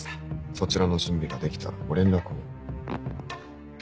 そちらの準備ができたらご連絡を。